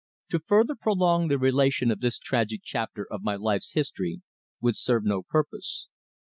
To further prolong the relation of this tragic chapter of my life's history would serve no purpose.